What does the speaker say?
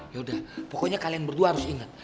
yaudah pokoknya kalian berdua harus ingat